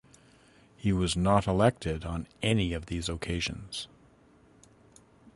He was not elected on any of these occasions.